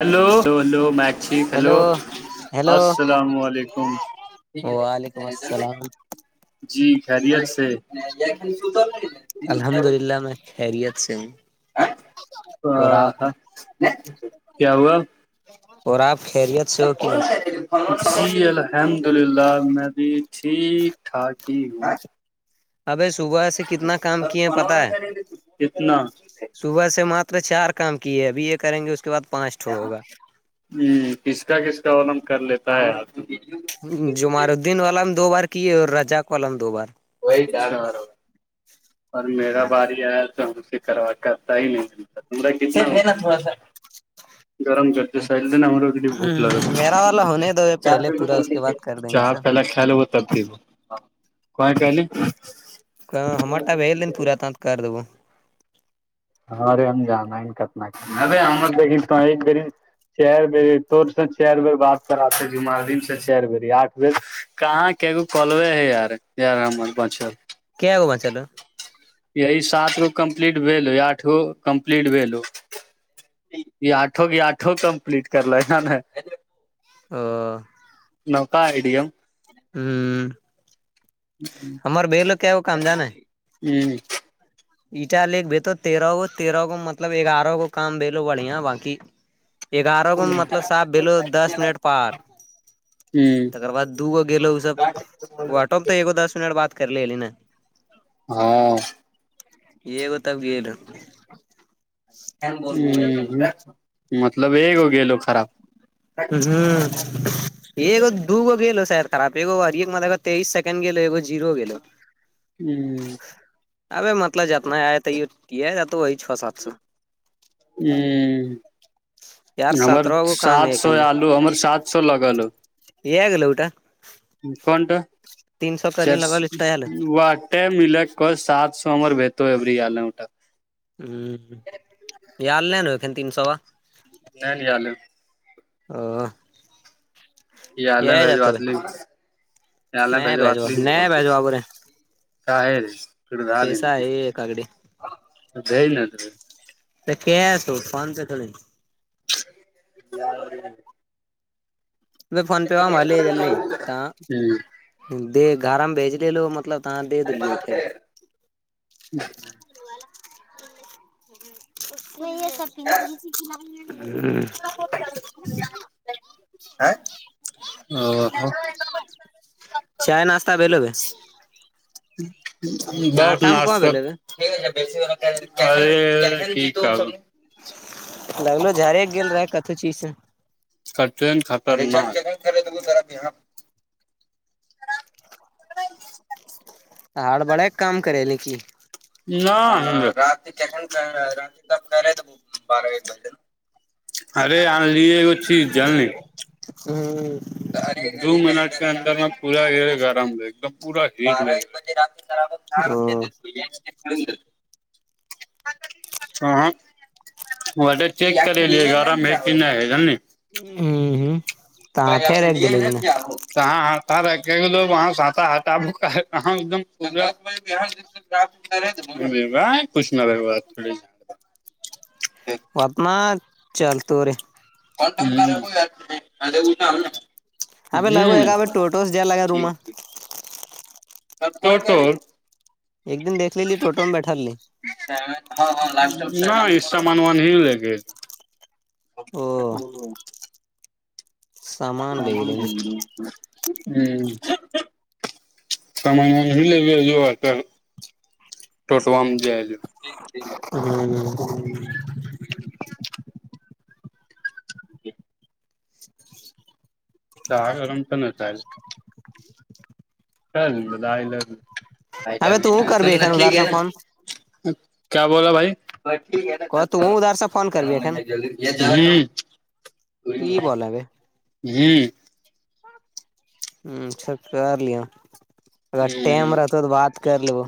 hello hello hello مچیک hello hello hello السلام علیکم وعلیکم السلام جی خری سے الحمد للہ میںیں خرییت سے اور آپ کیا ہوا اور آپ خیریت سے ہو کہ نہیں [unintelligible] الحمد للہ میں بھی ٹھیک ٹھاک ہی ہوں ابائی صبح سے کتنا کام کیے پتا ہے کتنا ہ صبح سے مات چار کام کیے ابھی یہ کریں گے اس کے بعد پانچٹ ہوگا ہ کس کا کس کا وم کر لیتا ہے آ جمعرال الدین والا نے دو بار کیے اور رجاق والا دو بار وہی ڈان رہ ہو اور میرا بھاری آیا تو ہم سے کر کرتا ہی نہیںا کڑا سا گرم کرتیی سرے دن ہم میرا والا ہونے دو یہ پہلے پورا اس کے بعد کر دیں گے سب [unintelligible] چل وہتاب ت کون کہلیے ہمارٹا دن پورا تانت کر دب ہاں ارے ہم جانا کتنا ارے ہم د تو ایک دری چار بری تو سے چار بیر بات کراتے جمال دن سے چار بری آٹھ بیر کہاں کیگ کلوے ہے یار یار ہم بچل کیاگووما چلو یہی سات گو کمپلیٹ ہو آٹھ گو کمپلیٹ بھی ہو یہ آٹھوں کی آٹھوں کمپلیٹ کر ل ہے ن نے [unintelligible] نوک آئیڈی ایم ہ ہممر ب لوگ کیا وہ کام جان ہی ایٹا ل ایک بھی تو تیرہ گ تیرہ گو مطلب گگارہ گ کام ب لو بڑھیا باقی گگارہ گ مطلب صاف دو دس منٹ پار تر بد دوگو گو اس سب واٹوپ تو ایگ دس منٹ بات کرلے اے نا ہاں یہ گ تب گل ہ مطلب ایکگو گ لو خراب ہوں یہ دو گو گیل سید خرابب ایک اور ایک م ا تیئیس سیکنڈ گیو گ جیرو گل ہ اب م متل جتنا ہےئے یہ ج وہی چھ سات سو ہ ہمار سات سو آلو ہمر سات سو لگل ہو یہگ ال اوٹا کون توا چر واٹ مل کر سات سو ہم بت اٹا ہ آ ل ن ہو ان تین سوا نہیں نہیں آلے ہ یہ الالم تو بجوات ل یہ الالم نہیں بجوات بھیجو ل نہیں بھیجوا بولے س ہے رے ک ج ل پیسہ ہے کاگڑی ن د ن تے تو کیا س فن سے تھھڑی دان ا فون پہ وا بے جل نہیں د گھر میں بھیج لے لو مطلب ا مات نہیں ہے سرتی میں ک ل ا چائے ناسہ ا بیلب بس ناسا یک لگنو جڑی گ رہا کتھی چیز سے کاٹ کر ہڑ بڑا ایک کام کرے لے کی نہ رات رات تب گ رہے بارہ ایک بجے نا ارے آ لیے اچ جان ن ہوں دو منٹ کے اندر ن پورا گرم رہ ایک پورا ہیٹ رہ ہ ہاںے چیک کرے لیے گارہ م ہے جان [unintelligible] [inaudible] [inaudible] [inaudible] [inaudible] [inaudible] ہوں ٹھیک ٹھیک [inaudible] [inaudible] [inaudible] او [inaudible] [inaudible] [inaudible] [inaudible] [inaudible] [inaudible] کیا بولا بھائی [inaudible] [inaudible] جی ہوں اچھا کر لیو اگر ٹائم رہتا تو تو بات کر لیبو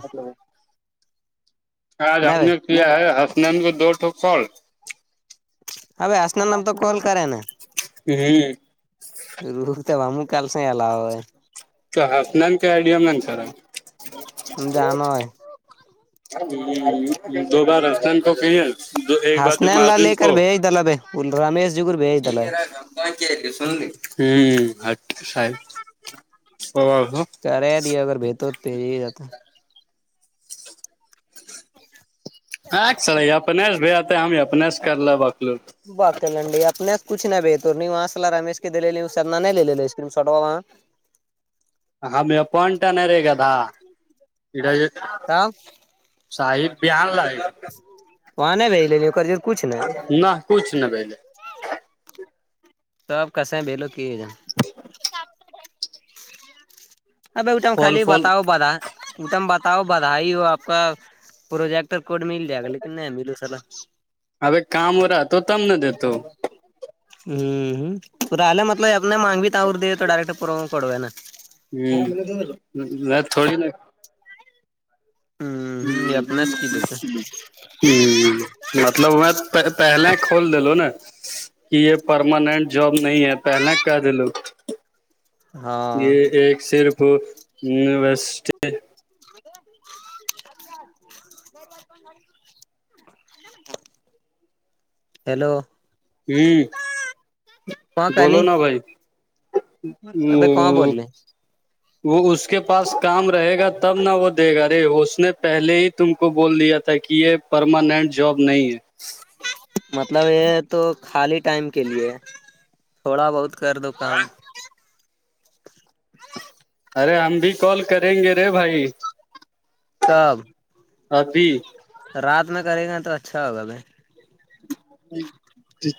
آج ہم نے کیا ہے حسنان کو دوٹو کال ہ [inaudible] [inaudible] [inaudible] جانو ہے دو بار حسنین کو کی ہیں دو ایک بار جمع الدین کو [inaudible] [inaudible] [inaudible] [inaudible] [inaudible] [inaudible] [inaudible] [inaudible] [inaudible] [inaudible] نہ کچھ نہ پہلے [inaudible] [inaudible] [inaudible] [inaudible] [inaudible] [inaudible] میں تھوڑی ہوں یہ اپنے سے کی دیتے ہ ہ مطلب وہ پہلے کھول دلو نا کہ یہ پرماننٹ جاب نہیں ہے پہلے کہ دے لو ہاں یہ ایک صرفس [inaudible] ہیلو ہم کہاں بولو کہلی نا بھائی ابھی کہاں [inaudible] وہ اس کے پاس کام رہے گا تب نہ وہ دے گا رے اس نے پہلے ہی تم کو بول دیا تھا کہ یہ پرماننٹ جاب نہیں ہے مطلب یہ تو خالی ٹائم کے لیے تھوڑا بہت کر دو کم ارے ہم بھی کال کریں گے رے بھائی تب ابھی رات میں کرے گا ن تو اچھا ہوگا ب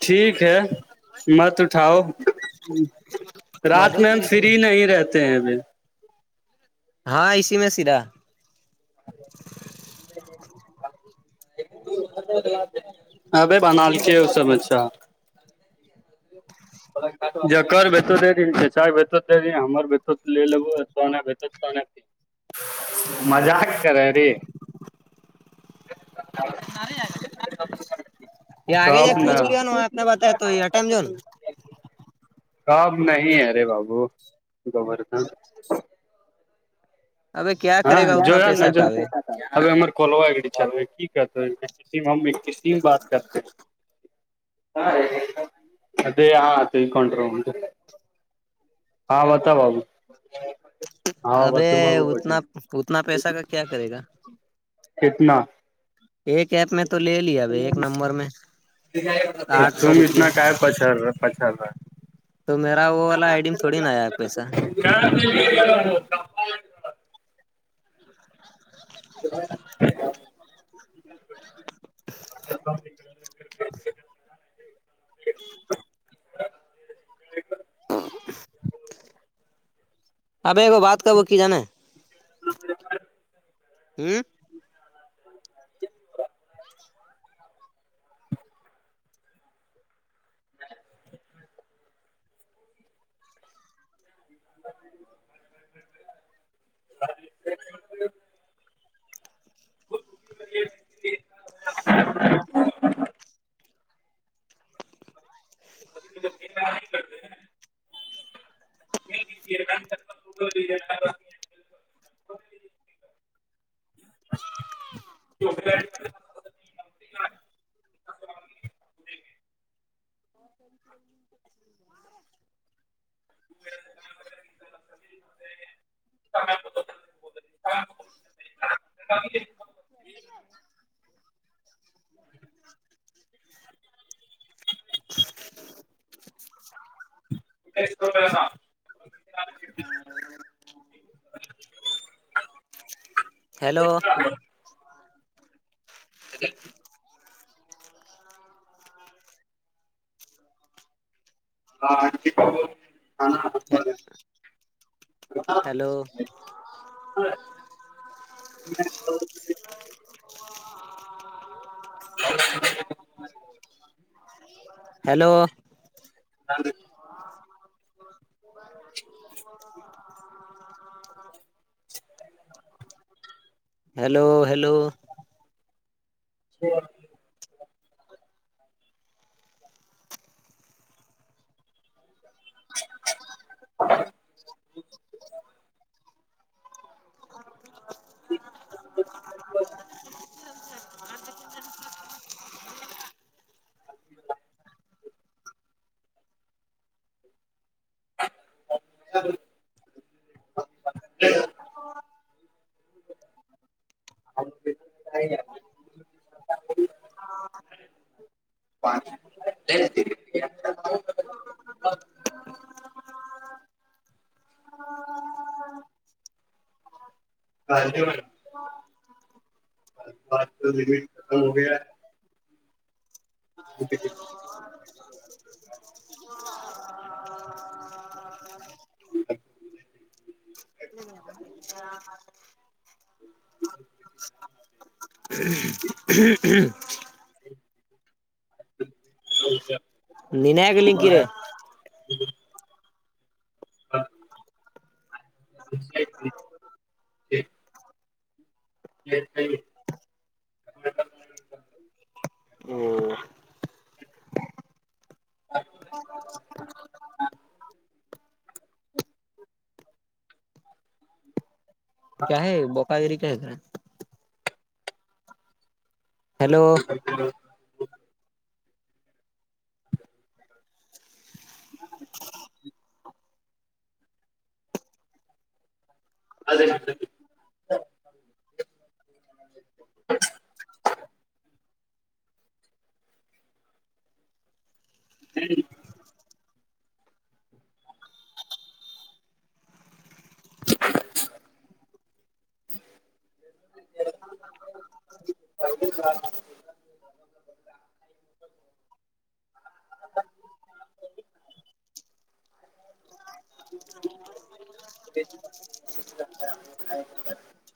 ٹھیک ہے مت اٹھاؤ رات مدھو میں ہم پور اسی فری نہیں رہتے ہیں ابھی ہاں اسی میں سرا ابے بنال کے اس سب اچھا جک بچ دے رہی چچا رہی ہم لے ل [inaudible] مزہ کرے ارے گ آگے جا کب نہ پوچھ لیا نا آپ نے بتایا تو یہ ٹم جوون کام نہیں ارے بابو گبر تھا ابے کیا ہاں کرے گا جو اتنا ن پیسہ جو کا بے ہلور کولوا گری چوتےسی بات کرتے اں ا ہاں تو کونٹر مٹ ہاں بتا بابو ہاں اب بتر مگو اتنا پٹیل اتنا پیسہ کا کیا کرے گا کتنا ایک ایپ میں تو لے ل اب ایک نمبر میں تو آٹھ تم سو روپیہ اتنا کا پچ رہ پچڑ رہا تو میرا وہ والا آئی ڈی میں تھوڑی نا آیا آ پیسا کیا [unintelligible] [unintelligible] اب کو بات کا وہ کی جانا ہے [unintelligible] ہوں [unintelligible] [unintelligible] [unintelligible] [unintelligible] [unintelligible] چوکلیٹ [unintelligible] [unintelligible] [unintelligible] [unintelligible] [unintelligible] [unintelligible] ہیلو [unintelligible] [unintelligible] ہیلو [unintelligible] [unintelligible] [unintelligible] [unintelligible] ہیلو [unintelligible] ہا ہیلو ہیلو [unintelligible] [unintelligible] [unintelligible] [unintelligible] [unintelligible] [unintelligible] [unintelligible] ہاں [unintelligible] ہاں بعات تو لمٹ ختم ہو گیا جی [unintelligible] [unintelligible] [unintelligible] ننیاگ لنکیرے [unintelligible] [unintelligible] [unintelligible] کیا ہے بوقا گری کیا ہےر ہیلو [unintelligible] [inaudible] [unintelligible] [unintelligible] [inaudible] [unintelligible] [inaudible] [unintelligible]